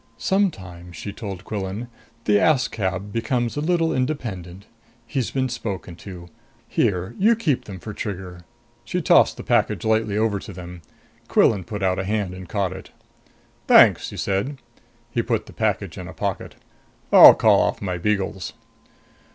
"Sometimes," she told Quillan, "the Askab becomes a little independent. He's been spoken to. Here you keep them for Trigger." She tossed the package lightly over to them. Quillan put out a hand and caught it. "Thanks," he said. He put the package in a pocket. "I'll call off my beagles."